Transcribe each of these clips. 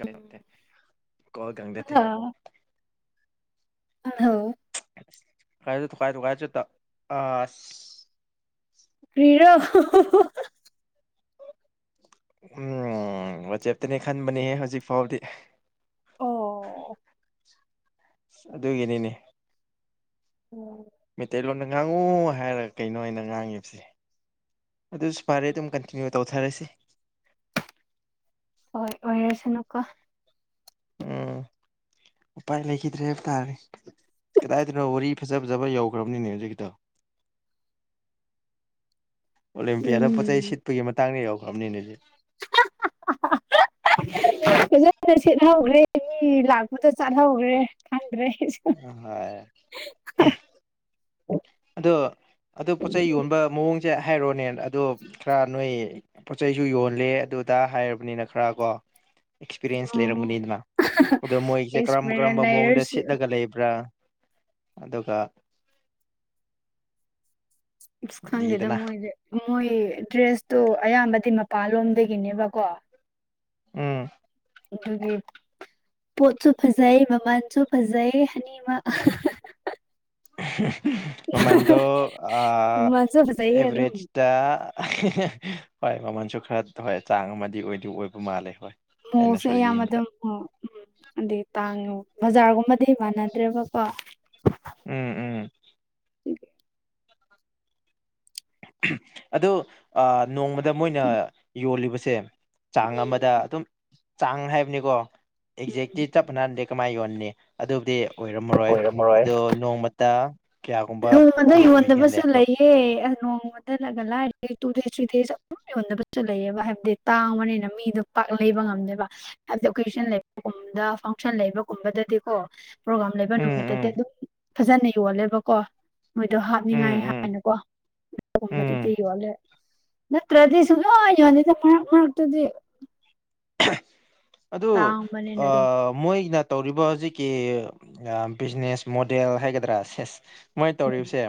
[unintelligible] Call ꯑ ꯒꯪꯗꯊꯦ ꯄꯥꯟꯊꯧ ꯀꯥꯏꯗ ꯊꯨꯀꯥꯏ ꯊꯨꯀꯥꯏ ꯆꯤꯠꯇ ꯑꯁ ꯀꯔꯤꯔꯣ ꯎꯝ ꯋꯥꯆꯦꯞꯇꯅꯦ ꯈꯟꯕꯅꯤꯍꯦ ꯍꯧꯖꯤꯛꯐꯥꯎꯕꯗꯤ ꯑꯣ ꯑꯗꯨꯒꯤꯅꯤꯅꯦ [inaudible] ꯃꯩꯇꯩꯂꯣꯟꯗ ꯉꯥꯡꯉꯨ ꯍꯥꯏꯔꯒ ꯀꯩꯅꯣ ꯑꯩꯅ ꯉꯥꯡꯉꯤꯕꯁꯦ ꯑꯗꯨꯁꯨ ꯐꯔꯦ ꯑꯗꯨꯝ ꯀꯟꯇꯤꯅ꯭ꯌꯨ ꯇꯧꯊꯔꯁꯤ ꯑꯣꯏ ꯑꯣꯏꯔꯁꯅꯨꯀꯣ ꯎꯝ [inaudible] ꯎꯄꯥꯏ ꯂꯩꯈꯤꯗ꯭ꯔꯦ ꯍꯥꯏꯕ ꯇꯥꯔꯦ ꯀꯗꯥꯏꯗꯅꯣ ꯋꯥꯔꯤ ꯐꯖ ꯐꯖꯕ ꯌꯧꯈ꯭ꯔꯕꯅꯤꯅꯦ ꯍꯧꯖꯤꯛꯀꯤꯗꯣ [inaudible] ꯑꯣꯂꯦꯝꯄꯤꯌꯥꯗ ꯄꯣꯠ ꯆꯩꯩ ꯎꯝ ꯁꯤꯠꯄꯒꯤ ꯃꯇꯥꯡꯗ ꯌꯧꯈ꯭ꯔꯝꯅꯤꯅꯦ [inaudible] ꯐꯖꯅ ꯁꯤꯠꯍꯧꯍꯦ ꯃꯤ ꯂꯥꯛꯄꯗ ꯆꯠꯍꯧꯒ꯭ꯔꯦ ꯈꯪꯗ꯭ꯔꯦ ꯍꯣꯏ ꯑꯗꯣ ꯑꯗꯨ ꯄꯣꯠꯆꯩ ꯌꯣꯟꯕ ꯃꯑꯣꯡꯁꯦ ꯍꯥꯏꯔꯣꯅꯦ ꯑꯗꯣ ꯈꯔ ꯅꯣꯏ ꯄꯣꯠ ꯆꯩꯁꯨ ꯌꯣꯜꯂꯦ ꯑꯗꯨꯗ ꯍꯥꯏꯔꯕꯅꯤꯅ ꯈꯔ ꯀꯣ ꯑꯦꯛꯁꯄꯤꯔꯤꯌꯦꯟꯁ ꯑꯣ ꯂꯩꯔꯝꯒꯅꯤꯗꯅ ꯑꯗ ꯃꯣꯏꯁꯦ ꯀꯔꯝ ꯑꯦꯛꯁꯄꯔꯦꯟ ꯀꯔꯝꯕ ꯃꯑꯣꯡꯗ ꯂꯩꯔꯁꯨ ꯁꯤꯠꯂꯒ ꯂꯩꯕ꯭ꯔꯥ ꯑꯗꯨꯒ ꯑꯁ ꯈꯪꯗꯦꯗ ꯂꯩꯗꯅ ꯃꯣꯏꯁꯦ ꯃꯣꯏ ꯗ꯭ꯔꯦꯁꯇꯣ ꯑꯌꯥꯝꯕꯗꯤ ꯃꯄꯥꯟ ꯂꯣꯝꯗꯒꯤꯅꯦꯕꯀꯣ ꯎꯝ ꯑꯗꯨꯒꯤ ꯄꯣꯠꯁꯨ ꯐꯖꯩ ꯃꯃꯟꯁꯨ ꯐꯖꯩ ꯑꯅꯤꯃꯛ ꯃꯃꯟꯗꯣ ꯑꯥ ꯃꯃꯜꯁꯨ ꯐꯖꯩꯌꯦ ꯑꯗꯨꯝ ꯑꯦꯚꯔꯦꯖ ꯗ ꯍꯣꯏ ꯃꯃꯟꯁꯨ ꯈꯔ ꯍꯣꯏ ꯆꯥꯡꯉꯝꯃꯗꯤ ꯑꯣꯏꯗꯤ ꯑꯣꯏꯕ ꯃꯥꯜꯂꯦ ꯍꯣꯏ ꯃꯨꯁꯦ ꯑꯩꯅꯁꯨ ꯌꯥꯝ ꯌꯦꯡꯕꯗ ꯑꯗꯨꯝ ꯑꯣ‌ ꯎꯝ ꯑꯗꯨꯗꯤ ꯇꯥꯡꯅꯨ ꯕꯖꯥꯔꯒꯨꯝꯕꯗꯤ ꯃꯥꯟꯅꯗ꯭ꯔꯦꯕꯀꯣ ꯎꯝ ꯎꯝ [unintelligible] ꯑꯗꯨ ꯑꯥ ꯅꯣꯡꯃꯗ ꯃꯣꯏꯅ ꯌꯣꯜꯂꯤꯕꯁꯦ ꯆꯥꯡ ꯑꯃꯗ ꯑꯗꯨꯝ ꯆꯥꯡ ꯍꯥꯏꯕꯅꯤꯀꯣ ꯑꯦꯛꯖꯦꯛꯇꯤ ꯎꯝ ꯆꯞ ꯄꯅꯥꯟꯗꯤ ꯀꯃꯥꯏ ꯌꯣꯟꯅꯤ ꯑꯗꯨꯕꯨꯗꯤ ꯑꯣꯏꯔꯝꯃꯔꯣꯏ ꯑꯣꯏꯔꯝꯃꯔꯣꯏ ꯑꯗꯣ ꯅꯣꯡꯃꯇ ꯀꯌꯥꯒꯨꯝꯕꯗꯤ ꯑꯣꯏꯒꯜꯂꯦ ꯑꯗꯣ ꯑꯦ ꯑ ꯅꯣꯡꯃꯗꯒꯅ ꯂꯥꯏꯔꯤꯍꯦ ꯇꯨ ꯗꯦꯖ ꯊ꯭ꯔꯤ ꯗꯦꯖ ꯑꯗꯨꯝ ꯌꯣꯟꯅꯕꯖꯨ ꯂꯩꯑꯦꯕ ꯍꯥꯏꯕꯗꯤ ꯇꯥꯡꯕꯅꯤꯅ ꯃꯤꯗꯣ ꯄꯥꯛ ꯂꯩꯕ ꯉꯝꯗꯦꯕ ꯑꯦꯂꯣꯀꯦꯁꯟ ꯂꯩꯕꯒꯨꯝꯕꯗ ꯐꯪꯁꯟ ꯂꯩꯕꯒꯨꯝꯕꯗꯗꯤꯀꯣ ꯄ꯭ꯔꯣꯒꯥꯝ ꯂꯩꯕ ꯎꯝ ꯅꯨꯃꯤꯠꯇꯗꯤ ꯎꯝ ꯑꯗꯨꯝ ꯐꯖꯅ ꯌꯣꯜꯂꯦꯕꯀꯣ ꯃꯣꯏꯗꯣ ꯍꯥꯞꯅꯤꯡꯉꯥꯏ ꯎꯝ ꯎꯝ ꯍꯥꯏꯅꯀꯣ ꯑꯗꯨꯒꯨꯝꯕꯗꯗꯤ ꯎꯝ ꯌꯣꯜꯂꯦ ꯅꯠꯇ꯭ꯔꯗꯤ ꯁꯨꯡꯌꯣꯟ ꯌꯣꯟꯗꯦꯗ ꯃꯔꯛꯇ ꯃꯔꯛꯇꯗꯤ꯫ ꯑꯗꯨ ꯇꯥꯡꯕꯅꯤꯅ ꯑꯗꯨꯝ ꯑꯥ ꯃꯣꯏꯅ ꯇꯧꯔꯤꯕ ꯍꯧꯖꯤꯛꯀꯤ ꯕꯤꯖꯤꯅꯦꯁ ꯃꯣꯗꯦꯜ ꯍꯥꯏꯒꯗ꯭ꯔꯥ ꯁꯦꯁ ꯃꯣꯏꯅ ꯎꯝ ꯇꯧꯔꯤꯕꯁꯦ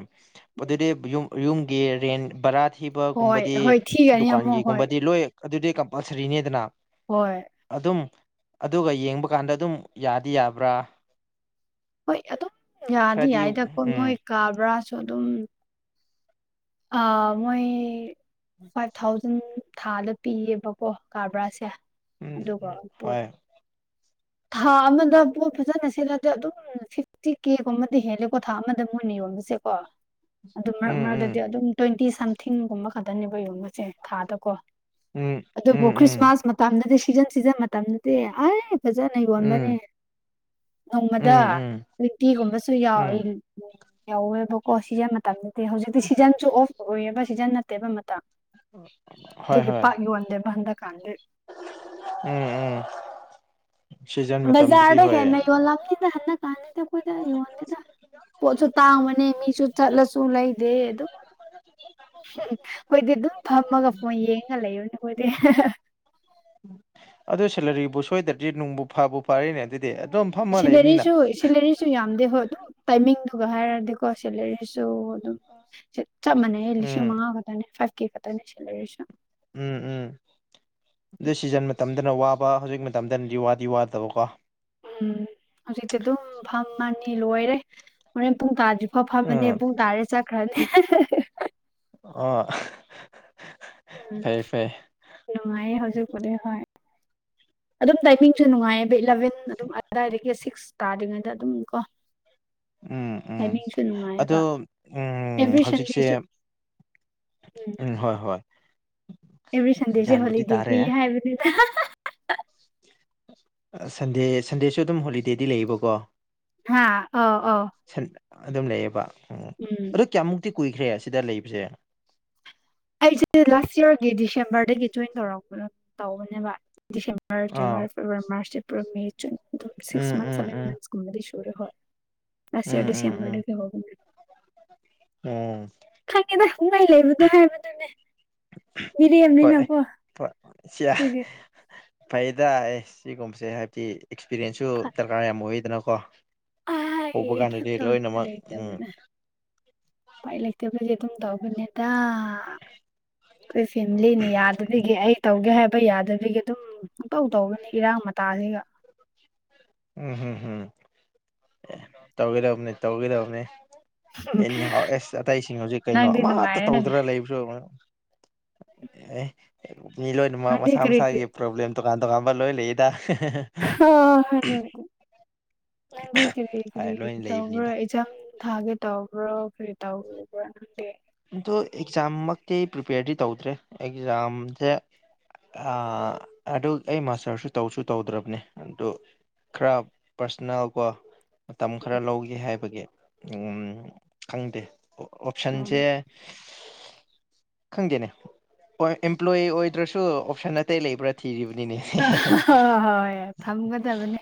ꯎꯝ ꯑꯗꯨꯗꯤ ꯌꯨꯝ ꯌꯨꯝꯒꯤ ꯔꯦꯟ ꯕꯔꯥ ꯍꯣꯏ ꯊꯤꯕꯒꯨꯝꯕꯗꯤ ꯍꯣꯏ ꯊꯤꯒꯅꯤ ꯑꯃꯨꯛ ꯍꯣꯏ ꯗꯨꯀꯥꯟꯒꯤꯒꯨꯝꯕꯗꯤ ꯂꯣꯏ ꯑꯗꯨꯗꯤ ꯀꯝꯄꯜꯁꯔꯤꯅꯦꯗꯅ꯫ ꯍꯣꯏ꯫ ꯑꯗꯨꯝ ꯑꯗꯨꯒ ꯌꯦꯡꯕ ꯀꯥꯟꯗ ꯑꯗꯨꯝ ꯌꯥꯗꯤ ꯌꯥꯕ꯭ꯔꯥ꯫ ꯍꯣꯏ ꯑꯗꯨꯝ ꯌꯥꯗꯤ ꯈꯔꯗꯤ ꯌꯥꯏꯗꯀꯣ ꯎꯝ ꯃꯣꯏ ꯀꯥ ꯕꯔꯥꯁꯨ ꯑꯗꯨꯝ ꯑ ꯃꯣꯏ ꯐꯥꯏꯚ ꯊꯥꯎ ꯖꯟ ꯊꯥꯗ ꯄꯤꯌꯦꯕꯀꯣ ꯀꯥꯕꯥꯔꯥꯁꯦ ꯎꯝ ꯑꯗꯨꯒ ꯄꯣꯠ ꯍꯣꯏ ꯊꯥ ꯑꯃꯗ ꯄꯣꯠ ꯐꯖꯅ ꯁꯤꯠꯂꯗꯤ ꯑꯗꯨꯝ ꯐꯤꯐꯇꯤ ꯀꯦꯒꯨꯝꯕꯗꯤ ꯍꯦꯜꯂꯦꯀꯣ ꯊꯥ ꯑꯃꯗ ꯃꯣꯏꯅ ꯌꯣꯟꯕꯁꯦꯀꯣ ꯑꯗꯨ ꯎꯝ ꯃꯔꯛ ꯃꯔꯛꯇ ꯎꯝ ꯇ꯭ꯋꯦꯟꯇꯤ ꯁꯝꯊꯤꯡꯒꯨꯝꯕ ꯈꯛꯇꯅꯦꯕ ꯌꯣꯟꯕꯁꯦ ꯊꯥꯗꯀꯣ ꯎꯝ ꯑꯗꯨꯕꯨ ꯎꯝ ꯈ꯭ꯔꯤꯁꯃꯥꯁ ꯃꯇꯝꯗꯗꯤ ꯁꯤꯖꯟ ꯁꯤꯖꯟ ꯃꯇꯝꯗꯗꯤ ꯑꯩ ꯐꯖꯅ ꯎꯝ ꯌꯣꯟꯕꯅꯦ꯫ ꯎꯝ ꯎꯝ ꯅꯣꯡꯃꯗ ꯎꯝ ꯅꯨꯄꯤꯒꯨꯝꯕꯁꯨ ꯎꯝ ꯌꯥꯎꯏ [unintelligible] ꯌꯧꯋꯦꯕꯀꯣ ꯁꯤꯖꯟ ꯃꯇꯝꯗꯗꯤ ꯍꯧꯖꯤꯛꯇꯤ ꯁꯤꯖꯟꯁꯨ ꯑꯣꯐ ꯑꯣꯏꯌꯦꯕ ꯁꯤꯖꯟ ꯅꯠꯇꯦꯕ ꯃꯇꯝ꯫ ꯍꯣꯏ ꯑꯗꯨꯒꯤ ꯍꯣꯏ ꯄꯥꯛ ꯌꯣꯟꯗꯦꯕ ꯍꯟꯗꯛ ꯀꯥꯟꯗꯤ꯫ ꯎꯝ ꯎꯝ꯫ ꯁꯤꯖꯟ ꯃꯇꯝꯗꯗꯤ ꯕꯖꯥꯔꯗ ꯍꯣꯏ ꯍꯦꯟꯅ ꯌꯣꯜꯂꯝꯅꯤꯗ ꯍꯟꯗꯛ ꯀꯥꯟꯗꯗꯤ ꯑꯩꯈꯣꯏꯗ ꯌꯣꯟ ꯗꯦꯗ ꯄꯣꯠꯁꯨ ꯇꯥꯡꯕꯅꯦ ꯃꯤꯁꯨ ꯆꯠꯂꯁꯨ ꯂꯩꯗꯦ ꯑꯗꯨꯝ ꯑꯩꯈꯣꯏꯗꯤ ꯑꯗꯨꯝ ꯐꯝꯃꯒ ꯐꯣꯟ ꯌꯦꯡꯉꯒ ꯂꯩꯕꯅꯦ ꯑꯩꯈꯣꯏꯗꯤ꯫ ꯑꯗꯨ ꯁꯦꯂꯔꯤꯕꯨ ꯁꯣꯏꯗ꯭ꯔꯗꯤ ꯅꯨꯡꯕꯨ ꯐꯕꯨ ꯐꯔꯤꯅꯦ ꯑꯗꯨꯗꯤ ꯑꯗꯨꯝ ꯐꯝꯃ ꯂꯩꯕꯅꯤꯅ꯫ ꯁꯤꯜꯂꯔꯤ ꯁꯨ ꯌꯥꯝꯗꯦ ꯍꯣꯏ ꯑꯗꯨꯝ ꯇꯥꯏꯃꯤꯡꯗꯨꯒ ꯍꯥꯏꯔꯗꯤꯀꯣ ꯁꯦꯂꯔꯤꯁꯨ ꯑꯗꯨꯝ ꯆꯞ ꯃꯥꯟꯅꯩꯌꯦ ꯂꯤꯁꯤꯡ ꯎꯝ ꯃꯉꯥ ꯈꯛꯇꯅꯦ ꯐꯥꯏꯚ ꯀꯦ ꯈꯛꯇꯅꯦ ꯁꯦꯂꯔꯤꯁꯨ꯫ ꯎꯝ ꯎꯝ ꯑꯗꯨ ꯁꯤꯖꯟ ꯃꯇꯝꯗꯅ ꯋꯥꯕ ꯍꯧꯖꯤꯛ ꯃꯇꯝꯗꯅꯗꯤ ꯋꯥꯗꯤ ꯋꯥꯗꯕꯀꯣ꯫ ꯎꯝ ꯍꯧꯖꯤꯛꯇꯤ ꯑꯗꯨꯝ ꯐꯝꯃꯅꯤ ꯂꯣꯏꯔꯦ ꯍꯣꯔꯦꯟ ꯄꯨꯡ ꯇꯥꯗ꯭ꯔꯤ ꯐꯥꯎ ꯎꯝ ꯐꯝꯃꯅꯤ ꯄꯨꯡ ꯇꯥꯔꯦ ꯆꯠꯈ꯭ꯔꯅꯤ꯫ ꯑꯣ꯫ ꯎꯝ꯫ ꯅꯨꯡꯉꯥꯏꯌꯦ ꯍꯧꯖꯤꯛꯄꯨꯗꯤ ꯍꯣꯏ ꯑꯗꯨꯝ ꯇꯥꯏꯃꯤꯡꯁꯨ ꯅꯨꯡꯉꯥꯏꯌꯦ꯫ ꯏꯂꯚꯦꯟ ꯑꯗꯨꯝ ꯑꯗꯥꯋꯥꯏꯗꯒꯤ ꯁꯤꯛꯁ ꯇꯥꯗ꯭ꯔꯤꯉꯩꯗ ꯑꯗꯨꯝ ꯀꯣ꯫ ꯎꯝ ꯎꯝ ꯇꯥꯏꯃꯤꯡꯁꯨ ꯅꯨꯡꯉꯥꯏꯌꯦꯕ ꯑꯗꯣ ꯎ ꯑꯦꯕ꯭ꯔꯤ ꯁꯟꯗꯦꯁꯨ ꯍꯧꯖꯤꯛꯁꯦ ꯎꯝ ꯍꯣꯏ ꯍꯣꯏ꯫ ꯑꯦꯕ꯭ꯔꯤ ꯁꯟꯗꯦꯁꯦ ꯒ꯭ꯌꯥꯟꯕꯨꯗꯤ ꯍꯣꯂꯤꯗꯦ ꯇꯥꯔꯦ ꯄꯤ ꯍꯥꯏꯕꯅꯤꯗ꯫ ꯑ ꯁꯟꯗꯦ ꯁꯟꯗꯦꯁꯨ ꯑꯗꯨꯝ ꯍꯣꯂꯤꯗꯦꯗꯤ ꯂꯩꯌꯦꯕꯀꯣ꯫ ꯍꯥꯥ ꯑꯧ ꯑꯧ꯫ ꯁꯟ ꯑꯗꯨꯝ ꯂꯩꯌꯦꯕ ꯑꯣ꯫ ꯎꯝ꯫ ꯑꯗꯨ ꯀꯌꯥꯃꯨꯛꯇꯤ ꯀꯨꯏꯈ꯭ꯔꯦ ꯁꯤꯗ ꯂꯩꯕꯁꯦ꯫ ꯑꯩꯁꯦ ꯂꯥꯁ ꯌ꯭ꯔꯒꯤ ꯗꯤꯁꯦꯝꯕꯔꯗꯒꯤ ꯖꯣꯏꯟ ꯇꯧꯔꯛꯄ ꯇꯧꯕꯅꯦꯕ꯫ ꯗꯤꯆꯦꯝꯕꯔ ꯑꯥ January February March April May June ꯑꯗꯨꯝ six um months um seven um months ꯀꯨꯝꯕꯗꯤ ꯁꯨꯔꯦ ꯍꯣꯏ ꯂꯥꯁ ꯎꯝ ꯏꯌ꯭ꯔ ꯎꯝ ꯗꯤꯁꯦꯝꯕꯔꯗꯒꯤ ꯍꯧꯕꯅꯦ꯫ ꯑꯣ꯫ ꯈꯪꯉꯦꯗ ꯅꯨꯡꯉꯥꯏ ꯂꯩꯕꯗꯣ ꯍꯥꯏꯕꯗꯨꯅꯦ ꯃꯤꯔꯦꯝꯅꯤꯅꯀꯣ꯫ ꯁꯤꯑꯥ ꯑꯗꯨꯒꯤ ꯐꯩꯗ ꯁꯤꯒꯨꯝꯕꯁꯦ ꯍꯥꯏꯕꯗꯤ ꯑꯦꯛꯁꯄꯤꯔꯤꯌꯦꯟꯁꯁꯨ ꯗꯔꯀꯥꯔ ꯌꯥꯝ ꯑꯣꯏꯗꯅꯀꯣ ꯍꯧꯕ ꯑꯩ ꯀꯩꯝ ꯀꯥꯟꯗꯗꯤ ꯇꯧꯅꯤꯡꯉꯥꯏ ꯂꯣꯏꯅꯃꯛ ꯎꯝ ꯂꯩꯇꯕꯅ ꯎꯄꯥꯏ ꯂꯩꯇꯕꯒꯤ ꯑꯗꯨꯝ ꯇꯧꯕꯅꯦꯗ ꯈꯣꯏ ꯐꯦꯃꯤꯂꯤꯅ ꯌꯥꯗꯕꯤꯒꯤ ꯑꯩ ꯇꯧꯒꯦ ꯍꯥꯏꯕ ꯌꯥꯗꯕꯤꯒꯤ ꯑꯗꯨꯝ ꯄꯪꯇꯧ ꯇꯧꯕꯅꯤ ꯏꯔꯥꯡ ꯃꯇꯥꯁꯤꯒ ꯎꯝꯝ ꯎꯝ ꯎꯝ ꯇꯧꯒꯗꯕꯅꯤ ꯇꯧꯒꯗꯕꯅꯤ ꯑꯦꯅꯤꯍꯥꯎ ꯑꯦꯁ ꯑꯇꯩꯁꯤꯡ ꯍꯧꯖꯤꯛ ꯀꯩꯅꯣ ꯅꯪꯗꯤ ꯑꯃꯠꯇ ꯅꯨꯡꯉꯥꯏꯔꯦꯅꯦ ꯇꯧꯗ꯭ꯔ ꯂꯩꯕꯁꯨ ꯑꯦ ꯃꯤ ꯂꯣꯏꯅꯃꯛ ꯅꯪꯗꯤ ꯃꯁꯥ ꯀꯔꯤ ꯃꯁꯥꯒꯤ ꯀꯔꯤ ꯄ꯭ꯂꯣꯕ꯭ꯂꯦꯝ ꯇꯣꯉꯥꯟ ꯇꯣꯉꯥꯟꯕ ꯂꯣꯏ ꯂꯩꯑꯦꯗ ꯑꯥ꯬꯬ ꯑꯗꯨꯕꯨꯗꯤ ꯅꯪꯗꯤ ꯀꯔꯤ ꯍꯥꯏ ꯀꯔꯤ ꯂꯣꯏ ꯇꯧꯕ꯭ꯔ ꯂꯩꯕꯅꯤꯗ ꯑꯦꯛꯖꯥꯝ ꯊꯥꯒꯦ ꯇꯧꯕ꯭ꯔꯣ ꯀꯔꯤ ꯇꯧꯕ꯭ꯔ ꯅꯪꯗꯤ ꯑꯗꯣ ꯑꯦꯛꯖꯥꯝꯃꯛꯇꯤ ꯄ꯭ꯔꯤꯄꯦꯌꯔꯗꯤ ꯇꯧꯗ꯭ꯔꯦ ꯑꯦꯛꯖꯥꯝꯁꯦ ꯑꯥ꯬꯬ꯑꯗꯨ ꯑꯩ ꯃꯥꯁꯇꯔꯁꯨ ꯇꯧꯁꯨ ꯇꯧꯗ꯭ꯔꯕꯅꯦ ꯑꯗꯨ ꯈꯔ ꯄꯔꯁꯅꯦꯜ ꯀꯣ ꯃꯇꯝ ꯈꯔ ꯂꯧꯒꯦ ꯍꯥꯏꯕꯒꯤ ꯎꯝ꯬꯬ ꯈꯪꯗꯦ ꯑꯣꯞꯁꯟ ꯎꯝ [unintelligible] ꯈꯪꯗꯦꯅꯦ ꯍꯣꯏ ꯑꯦꯝꯄ꯭ꯂꯣꯏꯣꯌꯤ ꯑꯣꯏꯗ꯭ꯔꯁꯨ ꯑꯣꯞꯁꯟ ꯑꯇꯩ ꯂꯩꯕ꯭ꯔꯥ ꯊꯤꯔꯤꯕꯅꯤꯅꯦ ꯍꯣꯏ ꯍꯣꯏ ꯍꯣꯏ ꯊꯝꯒꯗꯕꯅꯦ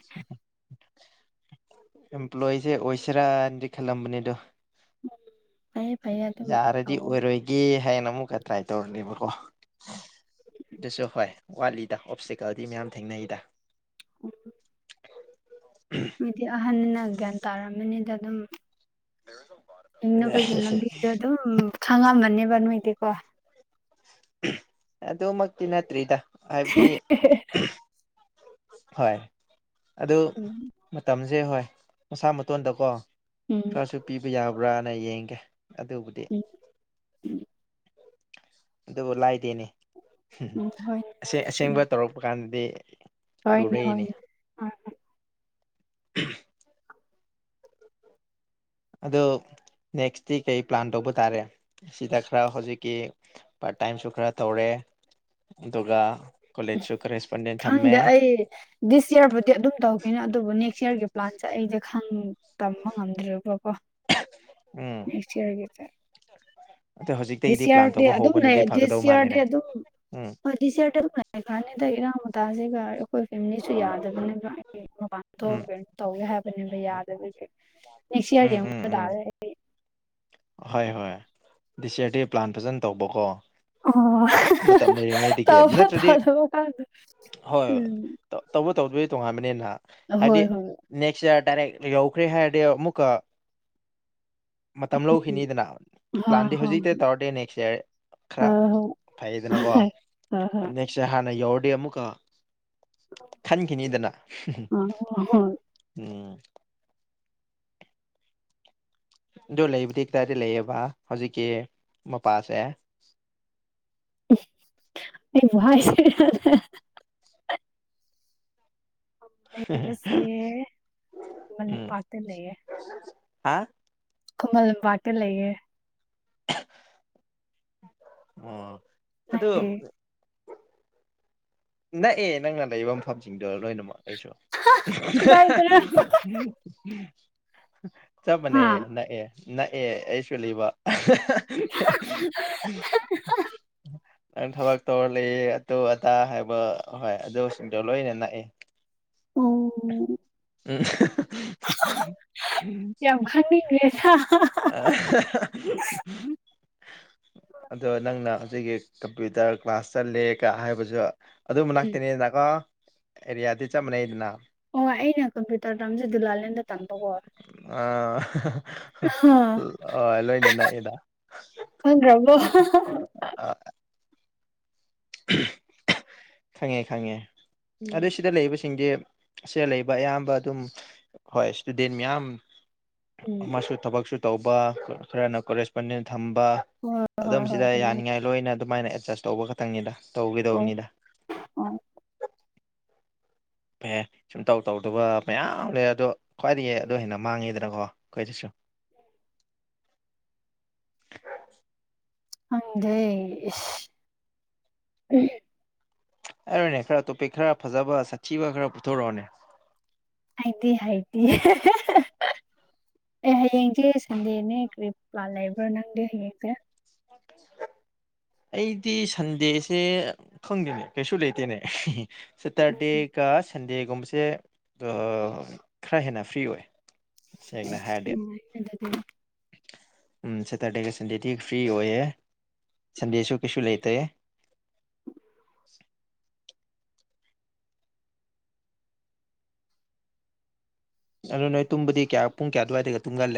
ꯑꯦꯝꯄ꯭ꯂꯣꯏꯁꯦ ꯑꯣꯏꯁꯤꯔꯥꯅꯗꯤ ꯈꯜꯂꯝꯕꯅꯦꯗꯣ ꯐꯩꯌꯦ ꯐꯩꯌꯦ ꯑꯗꯨꯝ ꯌꯥꯔꯗꯤ ꯇꯧꯑꯣ ꯑꯣꯏꯔꯣꯏ ꯒꯦ ꯍꯥꯏꯅ ꯑꯃꯨꯛꯀ ꯇ꯭ꯔꯥꯏ ꯇꯧꯔꯅꯤꯕꯀꯣ ꯑꯗꯨꯁꯨ ꯍꯣꯏ ꯋꯥꯠꯂꯤꯗ ꯑꯣꯞꯁꯇꯤꯀꯜꯗꯤꯤ ꯃꯌꯥꯝ ꯊꯦꯡꯅꯩꯗ [unintelligible] [unintelligible] ꯅꯣꯏꯗꯤ ꯑꯍꯟꯅꯤꯅ ꯒ꯭ꯌꯥꯟ ꯇꯥꯔꯝꯃꯅꯤꯗ ꯑꯗꯨꯝ [unintelligible] ꯍꯤꯡꯅꯕꯒꯤ ꯂꯝꯕꯤꯗ ꯗꯨꯝ ꯈꯪꯉꯝꯃꯅꯤꯕ ꯅꯣꯏꯗꯤꯀꯣ ꯑꯗꯨꯃꯛꯇꯤ ꯅꯠꯇ꯭ꯔꯤꯗ ꯍꯥꯏꯕꯗꯤ ꯍꯣꯏ ꯑꯗꯨ ꯎꯝ ꯃꯇꯝꯁꯦ ꯍꯣꯏ ꯃꯁꯥ ꯃꯇꯣꯟꯗꯀꯣ ꯎꯝ ꯈꯔꯁꯨ ꯄꯤꯕ ꯌꯥꯕ꯭ꯔꯥꯅ ꯌꯦꯡꯒꯦ ꯑꯗꯨꯕꯨꯗꯤ ꯎꯝ ꯑꯗꯨꯕꯨ ꯂꯥꯏꯗꯦꯅꯦ ꯎꯝ ꯍꯣꯏꯅꯦ ꯍꯣꯏꯅꯦ ꯁꯨꯝ ꯑꯁꯦꯡꯕ ꯇꯧꯔꯛꯄ ꯀꯥꯟꯗꯗꯤ ꯍꯣꯏꯅꯦ ꯂꯨꯔꯩꯅꯦ ꯍꯣꯏꯅꯦ [unintelligible] ꯑꯗꯣ ꯅꯦꯛꯁꯇꯤ ꯀꯩ ꯄ꯭ꯂꯥꯟ ꯇꯧꯕ ꯇꯥꯔꯦ ꯑꯁꯤꯗ ꯈꯔ ꯍꯧꯖꯤꯛꯀꯤ ꯄꯥꯔꯠ ꯇꯥꯏꯝꯁꯨ ꯈꯔ ꯇꯧꯔꯦ ꯑꯗꯨꯒ ꯀꯣꯂꯦꯖꯁꯨ ꯈꯔ ꯈꯪꯗꯦ ꯑꯩ ꯗꯤꯁ ꯌꯔꯕꯨꯗꯤ ꯑꯗꯨꯝ ꯇꯧꯈꯤꯅꯦ ꯑꯗꯨꯕꯨ ꯅꯦꯛꯁ ꯏꯌꯔꯒꯤ ꯄ꯭ꯂꯥꯟꯁꯦ ꯑꯩꯁꯦ ꯈꯪ ꯇꯝꯕ ꯉꯝꯗ꯭ꯔꯤꯕꯀꯣ ꯎꯝ ꯅꯦꯛꯁ ꯏꯌꯥꯔꯒꯤꯁꯦ ꯑꯗꯣ ꯍꯧꯖꯤꯛꯇꯒꯤꯗꯤ ꯗꯤꯁ ꯄ꯭ꯂꯥꯟ ꯌꯥꯔꯗꯤ ꯇꯧꯕ ꯑꯗꯨꯝ ꯂꯩ ꯍꯧꯕꯅꯗꯤ ꯐꯒꯗꯧ ꯗꯤꯁ ꯌꯔꯗꯤ ꯃꯥꯜꯂꯦꯅꯦ ꯑꯗꯨꯝ ꯎꯝ ꯗꯤꯁꯔꯗꯤ ꯑꯗꯨꯝ ꯂꯩꯈ꯭ꯔꯅꯤꯗ ꯏꯔꯥꯡ ꯃꯇꯥꯁꯤꯒ ꯑꯩꯈꯣꯏ ꯐꯦꯃꯤꯂꯤꯁꯨ ꯌꯥꯗꯕꯅꯦꯕ ꯎꯝ ꯇꯧꯅꯤ ꯍꯥꯏꯕꯅꯦꯕ ꯌꯥꯗꯕꯒꯤ ꯅꯦꯛꯁ ꯏꯌꯥꯔ ꯎꯝ ꯌꯦꯡꯕ ꯇꯥꯔꯦ ꯑꯩꯗꯤ ꯑꯍꯣꯏ ꯍꯣꯏ ꯗꯤꯁ ꯌꯔ ꯗ ꯄ꯭ꯂꯥꯟ ꯐꯖꯅ ꯇꯧꯕꯀꯣ ꯑꯣ ꯃꯇꯝ ꯂꯩꯔꯤꯉꯩꯗꯒꯤ ꯇꯧꯕ ꯅꯠꯇ꯭ꯔꯗꯤ ꯇꯧꯗꯕ ꯈꯪꯗꯦ ꯍꯣꯏ ꯎꯝ ꯇꯧꯕ ꯇꯧꯗꯕꯗꯤ ꯇꯣꯉꯥꯟꯕꯅꯤꯅ ꯍꯥꯏꯗꯤ ꯍꯣꯏ ꯍꯣꯏ ꯅꯦꯛꯁ ꯏꯌꯔ ꯗꯥꯏꯔꯦꯛ ꯌꯧꯈ꯭ꯔꯦ ꯍꯥꯏꯔꯗꯤ ꯑꯃꯨꯛꯀ ꯃꯇꯝ ꯂꯧ ꯈꯤꯅꯤꯗꯅ ꯎꯝ ꯍꯣꯏ ꯄ꯭ꯂꯥꯟꯗꯤ ꯍꯧꯖꯤꯛꯇꯩ ꯇꯧꯔꯗꯤ ꯅꯦꯛꯁ ꯏꯌꯥꯔ ꯈꯔ ꯍꯣꯏ ꯍꯣꯏ ꯍꯣꯏ ꯐꯩꯑꯦꯗꯅ ꯀꯣ ꯍꯣꯏ ꯍꯣꯏ ꯅꯦꯛꯁ ꯏꯌꯔ ꯍꯥꯟꯅ ꯌꯧꯔꯗꯤ ꯑꯃꯨꯛꯀ ꯈꯟꯈꯤꯅꯤꯗꯅ ꯑꯣ ꯍꯣꯏ ꯎꯝ ꯑꯗꯣ ꯂꯩꯕꯗꯤ ꯀꯗꯥꯏꯗ ꯂꯩꯌꯦꯕ ꯍꯧꯖꯤꯛꯀꯤ ꯃꯄꯥꯁꯦ ꯑꯩꯕꯨ ꯍꯥꯏꯁꯤꯔꯅꯦ ꯂꯩꯕꯁꯦ ꯎꯝ ꯈꯨꯃꯟꯂꯝꯄꯥꯛꯇ ꯂꯩꯌꯦ ꯍꯥ ꯈꯨꯃꯟ ꯂꯝꯄꯥꯛꯇ ꯂꯩꯌꯦꯦ ꯑꯣ ꯑꯗꯣ ꯅꯪꯗꯤ ꯅꯛꯑꯦ ꯅꯪꯅ ꯂꯩꯕ ꯃꯐꯝꯁꯤꯡꯗꯣ ꯂꯣꯏꯅꯃꯛ ꯑꯩꯁꯨ ꯀꯗꯥꯏꯗꯔ ꯆꯞ ꯍꯥ ꯃꯅꯩ ꯅꯛꯑꯦ ꯅꯛꯑꯦ ꯑꯩꯁꯨ ꯂꯩꯕ ꯅꯪ ꯊꯕꯛ ꯇꯧꯔ ꯂꯩꯌꯦ ꯑꯇꯨ ꯑꯇꯥ ꯍꯥꯏꯕ ꯍꯣꯏ ꯑꯗꯨꯁꯤꯡꯗꯣ ꯂꯣꯏꯅ ꯅꯛꯑꯦ ꯎꯝ ꯎꯝ ꯌꯥꯝ ꯈꯪꯅꯤꯡꯈ꯭ꯔꯦꯗ [unintelligible] ꯑꯗꯣ ꯅꯪꯅ ꯍꯧꯖꯤꯛꯀꯤ ꯀꯝꯄ꯭ꯌꯨꯇꯔ ꯀ꯭ꯂꯥꯁ ꯆꯠꯂꯦꯒ ꯍꯥꯏꯕꯁꯨ ꯑꯗꯨ ꯎꯝ ꯃꯅꯥꯛꯇꯅꯤꯗꯅꯀꯣ ꯑꯦꯔꯤꯌꯥꯗꯤ ꯆꯞ ꯃꯥꯟꯅꯩꯗꯅ ꯑꯣ ꯑꯩꯅ ꯀꯝꯄ꯭ꯌꯨꯇꯔ ꯇꯝꯕꯁꯦ ꯗꯨꯂꯥꯂꯦꯟꯗ ꯇꯝꯕꯀꯣ ꯑꯥ꯬꯬ ꯍꯥꯍꯥꯍꯥ ꯑ ꯂꯣꯏꯅ ꯅꯛꯑꯦꯗ ꯈꯪꯗ꯭ꯔꯕꯣ ꯈꯪꯉꯦ ꯈꯪꯉꯦ ꯑꯗꯨ ꯎꯝ ꯁꯤꯗ ꯂꯩꯕꯁꯤꯡꯗꯤ ꯑꯁꯦ ꯂꯩꯕ ꯑꯌꯥꯝꯕ ꯑꯗꯨꯝ ꯍꯣꯏ ꯏꯁꯇꯨꯗꯦꯟ ꯃꯌꯥꯝ ꯎꯝ ꯑꯃꯁꯨ ꯊꯕꯛꯁꯨ ꯇꯧꯕ ꯈꯔꯅ ꯀꯣꯂꯦꯖ ꯅꯤꯅ ꯊꯝꯕ ꯍꯣꯏ ꯑꯗꯨꯝ ꯍꯣꯏ ꯍꯣꯏ ꯁꯤꯗ ꯑꯗꯨꯃꯥꯏꯅ ꯌꯥꯅꯤꯡꯉꯥꯏ ꯂꯣꯏꯅ ꯑꯗꯨꯃꯥꯏꯅ ꯑꯦꯗꯖꯁ ꯇꯧꯕ ꯈꯛꯇꯪꯅꯤꯗ ꯇꯧꯒꯦꯗꯧꯅꯤꯗ ꯎꯝ ꯁꯨꯡꯇꯧ ꯇꯧꯗꯕ ꯃꯌꯥꯝ ꯂꯩ ꯑꯗꯣ ꯈ꯭ꯋꯥꯏꯗꯒꯤ ꯑꯗꯨ ꯍꯦꯟꯅ ꯃꯥꯡꯉꯤꯗꯅꯀꯣ ꯑꯩꯈꯣꯏꯗꯁꯨ ꯈꯪꯗꯦ ꯢꯁ ꯍꯥꯏꯔꯣꯅꯦ ꯈꯔ ꯇꯣꯄꯤꯛ ꯈꯔ ꯐꯖꯕ ꯁꯥꯊꯤꯕ ꯈꯔ ꯄꯨꯊꯣꯔꯛꯑꯣꯅꯦ ꯑꯩꯗꯤ ꯍꯩꯇꯦ ꯑꯦ ꯍꯌꯦꯡꯁꯦ ꯁꯟꯗꯦꯅꯦ ꯀꯔꯤꯞ ꯄ꯭ꯂꯥꯟ ꯂꯩꯥꯕ꯭ꯔ ꯅꯪꯗꯤ ꯍꯌꯦꯡꯁꯦ [inaudible] ꯑꯩꯗꯤ ꯁꯟꯗꯦꯁꯦ ꯈꯪꯗꯦꯅꯦ ꯀꯩꯁꯨ ꯂꯩꯇꯦꯅꯦ ꯁꯦꯇꯔꯗꯦꯒ ꯁꯟꯗꯦꯒꯨꯝꯕꯁꯦ ꯈꯔ ꯍꯦꯟꯅ ꯐ꯭ꯔꯤ ꯑꯣꯏ ꯁꯦꯡꯅ ꯍꯥꯢꯔꯗꯤ ꯎꯝ ꯑꯗꯨꯗꯤ ꯎꯝ ꯁꯦꯇꯔꯗꯦꯒ ꯁꯟꯗꯦꯗꯤ ꯐ꯭ꯔꯤ ꯑꯣꯏꯌꯦ ꯁꯟꯗꯦꯁꯨ ꯀꯩꯁꯨ ꯂꯩꯇꯦ ꯑꯗꯣ ꯅꯣꯏ ꯇꯨꯝꯕꯗꯤ ꯀꯌꯥ ꯄꯨꯡ ꯀꯌꯥ ꯑꯗꯨꯋꯥꯏꯗꯒ ꯇꯨꯡꯒꯜꯂꯦ